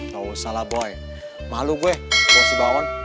gak usah lah boy malu gue gue masih baon